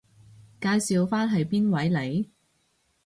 介紹返係邊位嚟？